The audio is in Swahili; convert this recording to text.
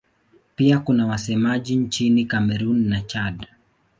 Pia kuna wasemaji nchini Kamerun na Chad.